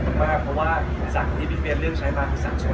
เพราะว่าสารที่พิเฟียรเลี้ยงใช้มามันเป็นสารส่วนกลม